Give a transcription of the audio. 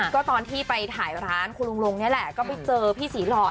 ก็ตอนที่ไปถ่ายร้านคุณลุงลงนี่แหละก็ไปเจอพี่ศรีหล่อ